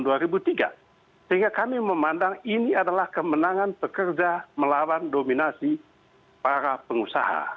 sehingga kami memandang ini adalah kemenangan pekerja melawan dominasi para pengusaha